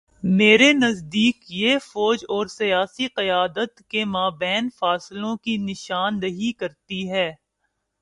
میرے نزدیک یہ فوج اور سیاسی قیادت کے مابین فاصلوں کی نشان دہی کرتی ہے۔